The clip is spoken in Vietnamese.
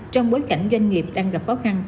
trong bối cảnh doanh nghiệp đang gặp khó khăn